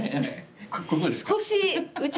ここですか。